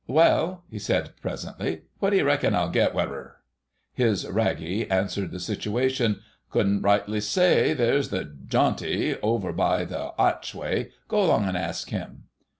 "Well," he said presently, "what d'you reckon I'll get whateffer?" His "Raggie" considered the situation. "Couldn't rightly say; there's the Jauntie[#] over by the 'atchway—go 'long an' ask 'im."